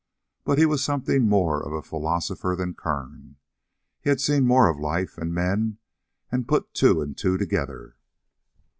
But he was something more of a philosopher than Kern. He had seen more of life and men and put two and two together.